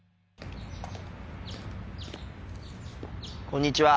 こんにちは。